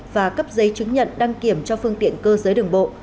và cấp giấy chứng nhận đăng kiểm cho phương tiện cơ giới đường bộ